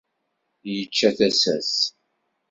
Yečča tasa-s!